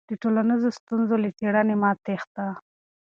د ټولنیزو ستونزو له څېړنې مه تېښته.